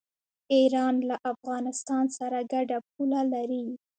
ایران له افغانستان سره ګډه پوله لري.